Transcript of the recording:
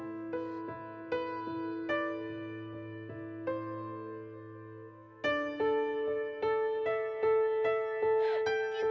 kita kan belum bakar masjid bang